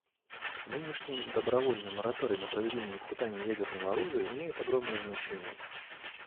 Нынешний добровольный мораторий на проведение испытаний ядерного оружия имеет огромное значение.